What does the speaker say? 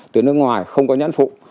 từ nước ngoài không có nhận phụ